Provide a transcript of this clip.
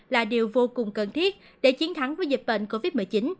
là điều vô cùng cần thiết để chiến thắng với dịch bệnh covid một mươi chín